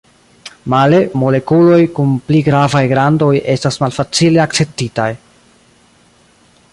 Male, molekuloj kun pli gravaj grandoj estas malfacile akceptitaj.